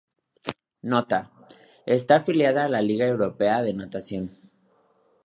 Nota: esta afiliada a la Liga Europea de Natación.